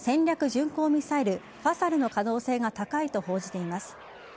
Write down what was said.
巡航ミサイルファサルの可能性が高いと報じています。